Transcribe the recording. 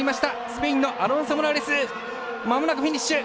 スペインのアロンソモラレスまもなくフィニッシュ。